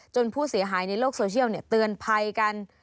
ผู้เสียหายในโลกโซเชียลเตือนภัยกัน